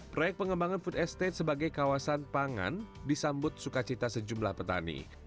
proyek pengembangan food estate sebagai kawasan pangan disambut sukacita sejumlah petani